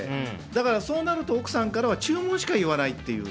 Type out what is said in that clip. だから、そうなると奥さんからは注文しか言わないという。